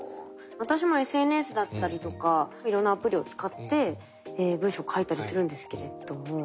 私もＳＮＳだったりとかいろんなアプリを使って文章を書いたりするんですけれども。